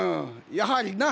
やはりな。